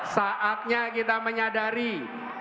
saatnya kita menyadari bahwa ini adalah problem kita